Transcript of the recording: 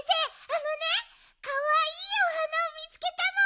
あのねかわいいお花をみつけたの。